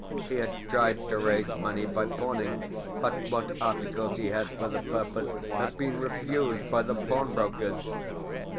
He had tried to raise money by pawning, but what articles he had for the purpose had been refused by the pawnbrokers.